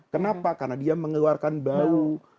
kenapa karena dia mengeluarkan bau